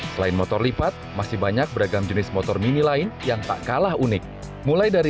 selain motor lipat masih banyak beragam jenis motor mini lain yang tak kalah unik mulai dari